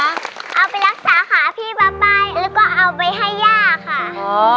เอาไปรักษาหาพี่บ๊าใบแล้วก็เอาไปให้ย่าค่ะ